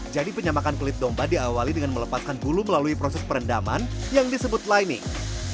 jadi penyamakan kulit domba diawali dengan melepaskan bulu melalui proses perendaman yang disebut lining